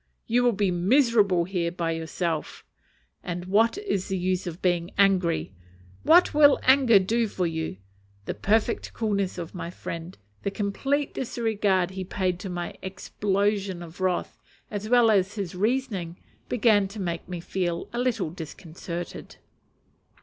You will be miserable here by yourself. And what is the use of being angry? what will anger do for you?" The perfect coolness of my old friend, the complete disregard he paid to my explosion of wrath, as well as his reasoning, began to make me feel a little disconcerted.